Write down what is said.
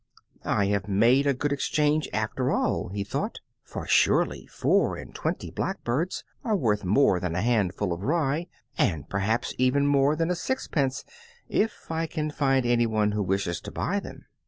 "I have made a good exchange, after all," he thought, "for surely four and twenty blackbirds are worth more than a handful of rye, and perhaps even more than a sixpence, if I can find anyone who wishes to buy them."